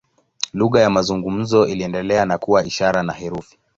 Lugha ya mazungumzo iliendelea na kuwa ishara na herufi.